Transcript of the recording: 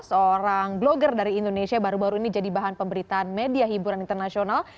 seorang blogger dari indonesia baru baru ini jadi bahan pemberitaan media hiburan internasional